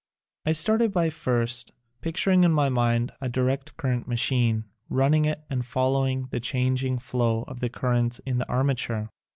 I started by first picturing in my mind a direct Current machine, running it and fol lowing the changing flow of the currents in the armature.